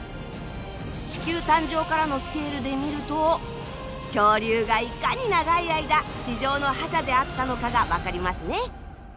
地球誕生からのスケールで見ると恐竜がいかに長い間地上の覇者であったのかが分かりますね。